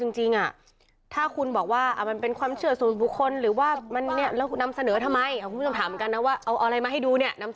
นี่คุณผู้ชมก็ถามมาเยอะนะว่าเอาจริงอ่ะ